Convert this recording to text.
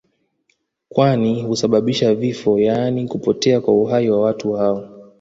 kwani husababisha vifo yaani kupotea kwa uhai wa watu hao